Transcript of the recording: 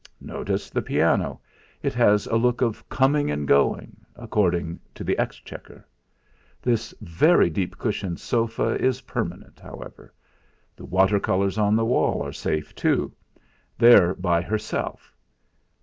Notice the piano it has a look of coming and going, according to the exchequer. This very deep cushioned sofa is permanent, however; the water colours on the walls are safe, too they're by herself.